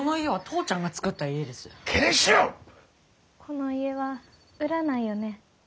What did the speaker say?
この家は売らないよね？